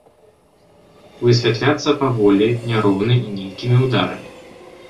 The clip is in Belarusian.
Высвятляцца паволі, няроўна і нейкімі ўдарамі.